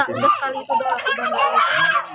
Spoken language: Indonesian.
nggak udah sekali itu doang